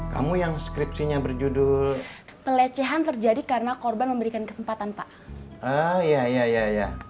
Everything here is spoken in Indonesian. kamu yang skripsinya berjudul pelecehan terjadi karena korban memberikan kesempatan pak ya ya ya